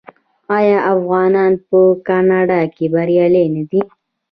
آیا افغانان په کاناډا کې بریالي نه دي؟